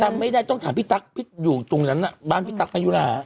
จำไม่ได้ต้องถามพี่ตั๊กพี่อยู่ตรงนั้นน่ะบ้านพี่ตั๊กมายุรา